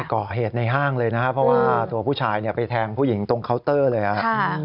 ก่อเหตุในห้างเลยนะครับเพราะว่าตัวผู้ชายเนี่ยไปแทงผู้หญิงตรงเคาน์เตอร์เลยครับ